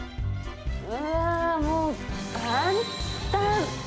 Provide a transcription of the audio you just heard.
うわー、もう簡単！